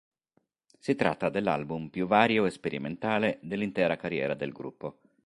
Si tratta dell'album più vario e sperimentale dell'intera carriera del gruppo..